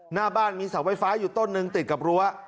หน้าบ้านมีเสาไฟฟ้าอยู่ต้นหนึ่งติดกับรั้ว